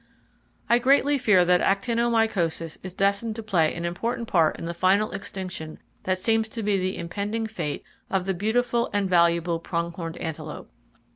I greatly fear that actinomycosis is destined to play an important part in the final extinction that seems to be the impending fate of the beautiful and valuable prong horned antelope.